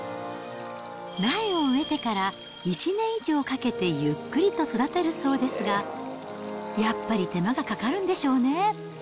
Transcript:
苗を植えてから１年以上かけてゆっくりと育てるそうですが、やっぱり手間がかかるんでしょうね。